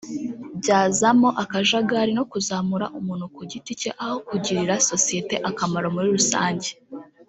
byaza mo akajagari no kuzamura umuntu kugiti cye aho kugirira societe akamaro muri rusange